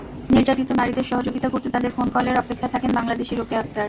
নির্যাতিতা নারীদের সহযোগিতা করতে তাঁদের ফোন কলের অপেক্ষায় থাকেন বাংলাদেশি রোকেয়া আক্তার।